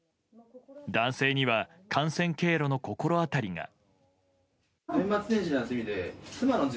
男性には感染経路の心当たりが。